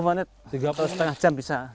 tiga puluh menit atau setengah jam bisa